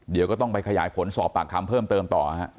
เดี๋ยวก็ต้องไปขยายผลสอบปากคำเพิ่มเติมต่อฮะ